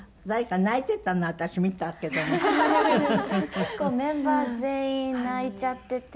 結構メンバー全員泣いちゃってて。